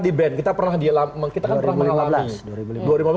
di ban kita kan pernah mengalami